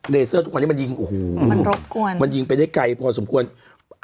เลเซอร์ทุกวันนี้มันยิงโอ้โฮมันยิงไปได้ไกลพอสมควรมันรบกวน